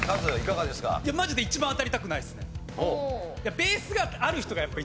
いやマジで一番当たりたくないですね。